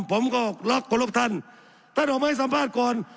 ผมก็รักขอรบท่านท่านออกมาให้สัมภาษณ์ก่อน